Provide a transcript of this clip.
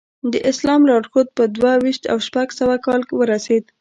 د اسلام لارښود په دوه ویشت او شپږ سوه کال ورسېد.